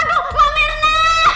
aduh mbak mirna